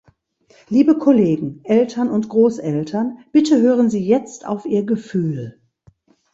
Liebe Kollegen, Eltern und Großeltern, bitte hören Sie jetzt auf ihr Gefühl.